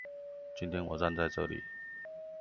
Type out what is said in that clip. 今天我站在這裡